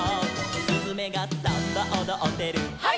「すずめがサンバおどってる」「ハイ！」